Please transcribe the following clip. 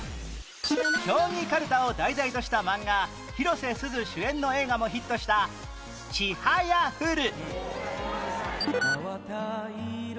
競技かるたを題材としたマンガ広瀬すず主演の映画もヒットした『ちはやふる』